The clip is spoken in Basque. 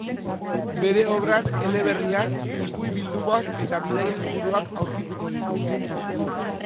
Bere obran eleberriak, ipuin-bildumak eta bidaia liburuak aurkituko ditugu.